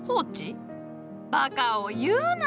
バカを言うな。